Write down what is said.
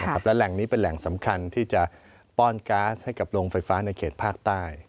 และแหล่งนี้เป็นแหล่งสำคัญที่จะป้อนก๊าซให้กับโรงไฟฟ้าในเขตภาคใต้